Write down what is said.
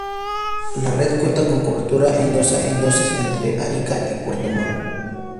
La red cuenta con cobertura en doce regiones, entre Arica y Puerto Montt.